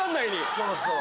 そうそう。